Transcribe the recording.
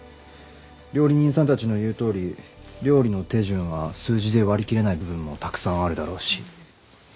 料理人さんたちの言うとおり料理の手順は数字で割り切れない部分もたくさんあるだろうし。